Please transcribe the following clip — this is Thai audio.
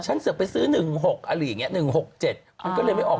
ฉันเสิร์ฟไปซื้อ๑๖อะไรอย่างนี้๑๖๑๗ก็เลยไม่ออก